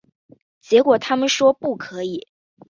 结果他们说不可以